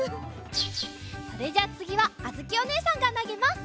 それじゃあつぎはあづきおねえさんがなげます！